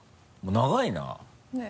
長いな。ねぇ。